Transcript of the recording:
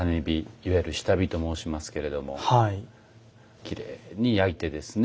いわゆる下火と申しますけれどもきれいに焼いてですね